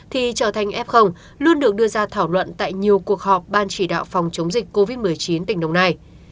thì trở thành f luôn được đưa ra thảo luận tại nhiều cuộc họp ban chỉ đạo phòng chống dịch covid một mươi chín tỉnh đồng nai